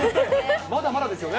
まだまだですよね。